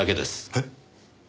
えっ？